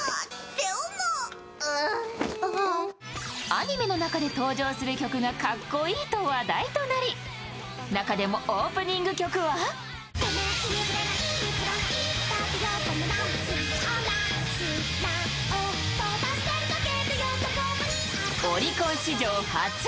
アニメの中で登場する曲がかっこいいと話題となり中でもオープニング曲はオリコン史上初！